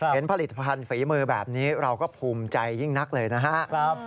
เห็นผลิตภัณฑ์ฝีมือแบบนี้เราก็ภูมิใจยิ่งนักเลยนะครับ